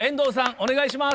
お願いします。